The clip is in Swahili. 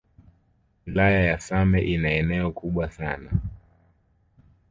Wilaya ya same ina eneo kubwa sana